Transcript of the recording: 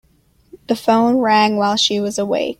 The phone rang while she was awake.